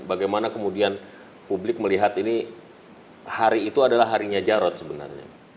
bagaimana kemudian publik melihat ini hari itu adalah harinya jarod sebenarnya